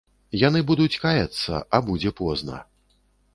Яны будуць каяцца, а будзе позна.